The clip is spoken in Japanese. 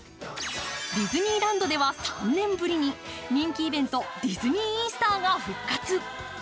ディズニーランドでは３年ぶりに人気イベント、ディズニー・イースターが復活。